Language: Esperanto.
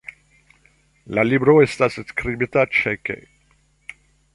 La libro estas skribita ĉeĥe.